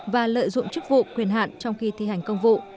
và lợi dụng chức vụ quyền hạn trong khi thi hành công vụ